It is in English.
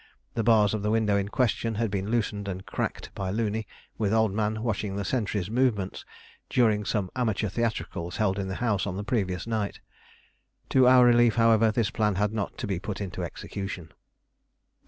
The bars of the window in question had been loosened and cracked by Looney, with Old Man watching the sentries' movements, during some amateur theatricals held in the house on the previous night. To our relief, however, this plan had not to be put into execution.